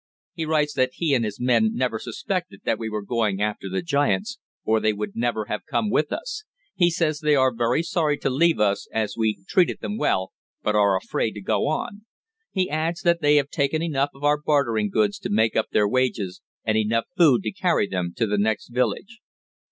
He writes that he and his men never suspected that we were going after the giants, or they would never have come with us. He says they are very sorry to leave us, as we treated them well, but are afraid to go on. He adds that they have taken enough of our bartering goods to make up their wages, and enough food to carry them to the next village."